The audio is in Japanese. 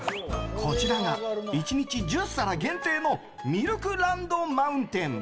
こちらが１日１０皿限定のミルクランド・マウンテン。